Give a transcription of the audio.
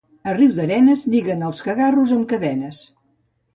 A Riudarenes lliguen els cagarros amb cadenes.